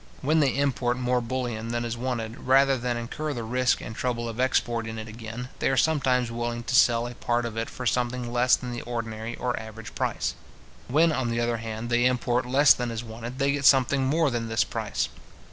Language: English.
When they import more bullion than is wanted, rather than incur the risk and trouble of exporting it again, they are sometimes willing to sell a part of it for something less than the ordinary or average price. When, on the other hand, they import less than is wanted, they get something more than this price.